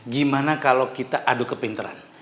gimana kalau kita adu kepinteran